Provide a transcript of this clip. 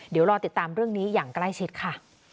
เดี๋ยวรอติดตามเรื่องนี้อย่างใกล้ชิดค่ะ